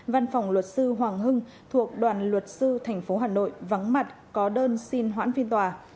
văn phòng luật sư hoàng hưng thuộc đoàn luật sư tp hà nội vắng mặt có đơn xin hoãn phiên tòa